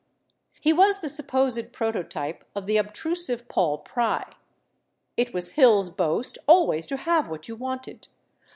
He was the supposed prototype of the obtrusive Paul Pry. It was Hill's boast always to have what you wanted.